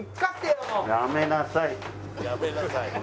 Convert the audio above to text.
「“やめなさい”」